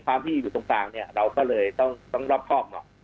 ความที่อยู่ตรงกลางเราก็เลยต้องรอบคล่อง